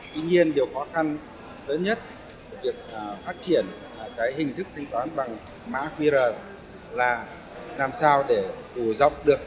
tuy nhiên điều khó khăn với các thiết bị mobile và cũng quen với việc tiếp cận với các phương mặt thức thanh toán hiện đại